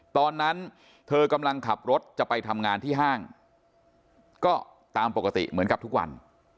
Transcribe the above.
ตอนนั้นเธอกำลังขับรถจะไปทำงานที่ห้างก็ตามปกติเหมือนกับทุกวัน